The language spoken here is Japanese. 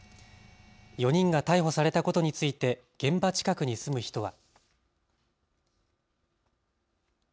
４人が逮捕されたことについて現場近くに住む人は。